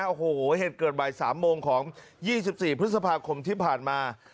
โอ้โหเหตุเกิดบ่ายสามโมงของยี่สิบสี่พฤษภาคมที่ผ่านมา